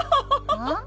うん？